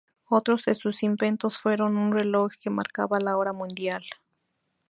Otros de sus inventos fueron un reloj que marcaba la hora mundial.